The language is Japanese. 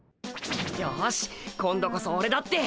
よし今度こそオレだって。